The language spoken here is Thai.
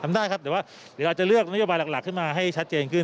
ได้ครับแต่ว่าเดี๋ยวเราจะเลือกนโยบายหลักขึ้นมาให้ชัดเจนขึ้น